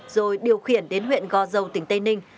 rồi điều khiển đến huyện go dâu tỉnh tây ninh